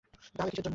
তাহলে কিসের জন্য?